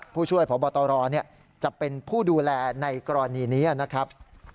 ผู้ช่วยพบตรจะเป็นผู้ดูแลในกรณีนี้นะครับ